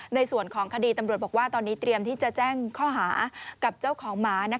ในส่วนของคดีตำรวจบอกว่าตอนนี้เตรียมที่จะแจ้งข้อหากับเจ้าของหมา